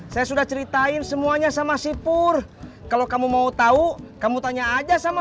saya sudah ceritain semuanya sama sipur kalau kamu mau tahu kamu tanya aja sama